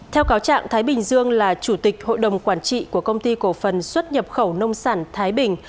theo cáo trạng thái bình dương là chủ tịch hội đồng quản trị của công ty cổ phần xuất nhập khẩu nông sản thái bình